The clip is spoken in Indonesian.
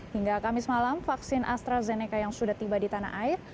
hingga kamis malam vaksin astrazeneca yang sudah tiba di tanah air